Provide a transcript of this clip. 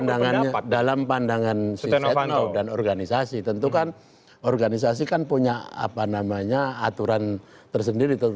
dalam pandangan setnaf dan organisasi tentu kan organisasi kan punya apa namanya aturan tersendiri